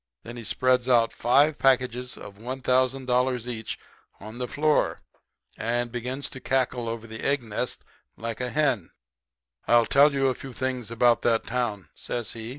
Then he spreads out five packages of one thousand dollars each on the floor, and begins to cackle over the nest egg like a hen. "'I'll tell you a few things about that town,' says he.